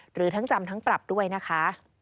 หรือทั้งจำทั้งปรับด้วยนะคะ